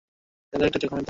গালে একটা জখমের দাগ।